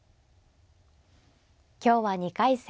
今日は２回戦